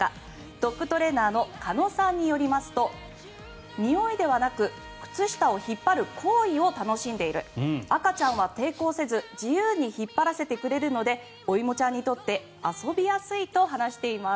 ドッグトレーナーの鹿野さんによりますとにおいではなく靴下を引っ張る行為を楽しんでいる赤ちゃんは抵抗せず自由に引っ張らせてくれるのでおいもちゃんにとって遊びやすいと話しています。